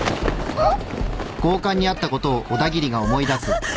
あっ。